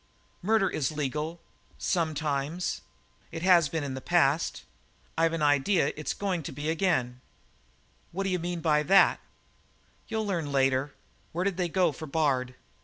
"Murder is legal sometimes. It has been in the past. I've an idea that it's going to be again." "What d'you mean by that?" "You'll learn later. Where did they go for Bard?"